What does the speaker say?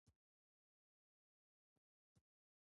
دغه ښار په وینو لړلی دی.